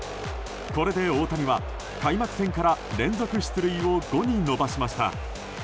これで大谷は開幕戦から連続出塁を５に伸ばしました。